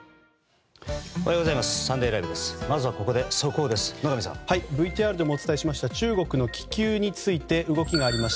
おはようございます。